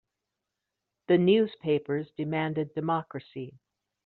The newspapers demanded democracy.